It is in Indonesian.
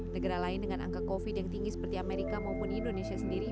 negara lain dengan angka covid yang tinggi seperti amerika maupun indonesia sendiri